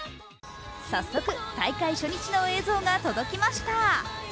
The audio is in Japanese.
早速、大会初日の映像が届きました